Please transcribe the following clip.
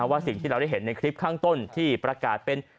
ว่าสิ่งที่เราได้เห็นในคลิปข้างต้นที่ประกาศเป็น